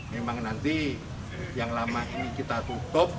memang nanti yang lama ini kita tutup